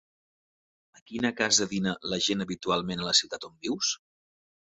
A quina casa dina la gent habitualment a la ciutat on vius?